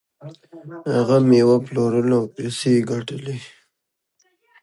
هغه میوه پلورله او پیسې یې ګټلې.